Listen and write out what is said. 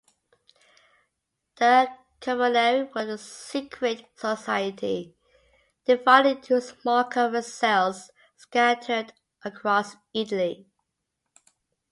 The Carbonari were a secret society divided into small covert cells scattered across Italy.